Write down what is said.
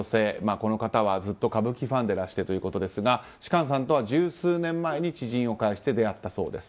この方はずっと歌舞伎ファンでいらしてということですが芝翫さんとは十数年前に知人を介して出会ったそうです。